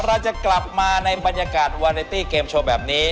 เราจะกลับมาในบรรยากาศวาเนตี้เกมโชว์แบบนี้